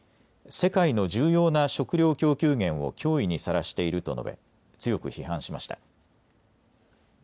世界の重要な食料供給源を脅威にさらしていると述べ強く批判しました。